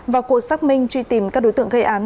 vào cuộc xác minh truy tìm các đối tượng gây án